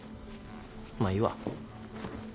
まあいいわ。